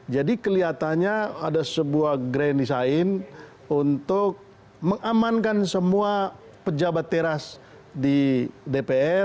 jadi kelihatannya ada sebuah grand design untuk mengamankan semua pejabat teras di dpr